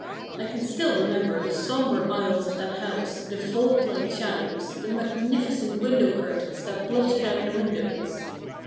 I can still remember the sombre aisles of that house, the vault like shadows, the magnificent window curtains that blotted out the windows.